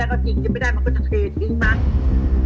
เพราะไม่มีวาสนาได้กินแกงส้มดีของคนไทยที่ปรุงอย่างถูกต้อง